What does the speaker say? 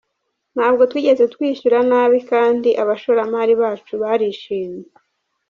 Ntabwo twigeze twishyura nabi kandi abashoramari bacu barishimye.